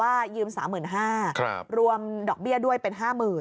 ยืม๓๕๐๐บาทรวมดอกเบี้ยด้วยเป็น๕๐๐๐